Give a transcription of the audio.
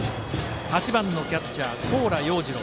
８番のキャッチャー、高良鷹二郎。